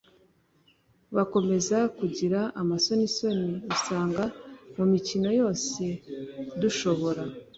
bakomeza kugira amasonisoni, usanga mu mikino yose dushobora